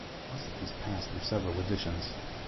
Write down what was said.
Most of these passed through several editions.